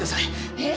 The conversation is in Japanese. えっ！？